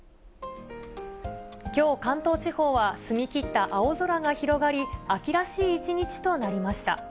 きょう、関東地方は澄み切った青空が広がり、秋らしい一日となりました。